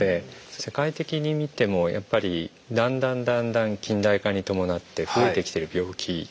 世界的に見てもやっぱりだんだんだんだん近代化に伴って増えてきてる病気があって。